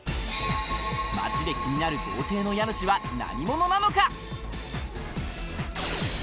街で気になる豪邸の家主は何者なのか？